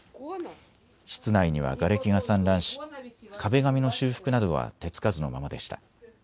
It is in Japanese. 室内にはがれきが散乱し壁紙の修復などは手付かずのままでした。